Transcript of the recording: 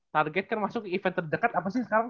target kan masuk event terdekat apa sih sekarang